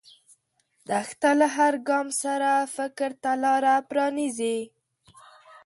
دښته له هر ګام سره فکر ته لاره پرانیزي.